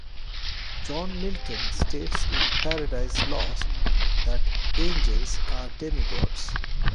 John Milton states in "Paradise Lost" that angels are demigods.